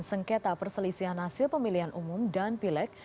sengketa perselisihan hasil pemilihan umum dan pileg